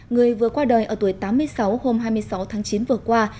người vừa qua đời ở tuổi tám mươi sáu hôm hai mươi sáu tháng chín vừa qua